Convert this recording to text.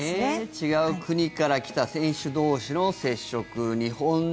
違う国から来た選手同士の接触